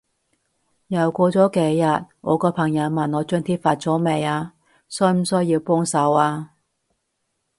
又過咗幾日，我個朋友問我張貼發咗未啊？需唔需要幫手啊？